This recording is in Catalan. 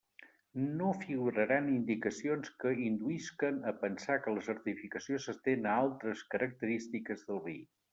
No figuraran indicacions que induïsquen a pensar que la certificació s'estén a altres característiques del vi.